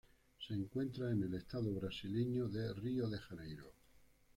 Se encuentra en estado brasileño de Río de Janeiro.